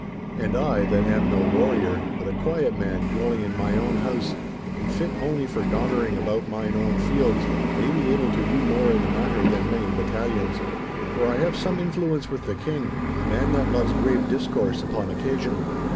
And I, that am no warrior, but a quiet man dwelling in mine own house and fit only for daunering about mine own fields, may be able to do more in the matter than many battalions. For I have some influence with the King—a man that loves grave discourse upon occasion.